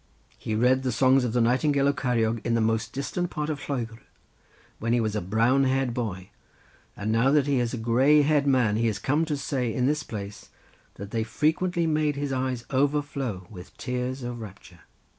He read the songs of the Nightingale of Ceiriog in the most distant part of Lloegr, when he was a brown haired boy, and now that he is a grey haired man he is come to say in this place that they frequently made his eyes overflow with tears of rapture."